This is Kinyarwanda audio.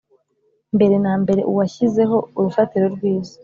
Mbere na mbere washyizeho urufatiro rw isi